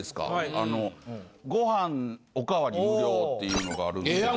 あのご飯おかわり無料っていうのがあるんですけど。